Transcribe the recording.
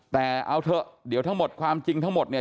แต่เอาเถอะเดี๋ยวทั้งหมดความจริงทั้งหมดเนี่ย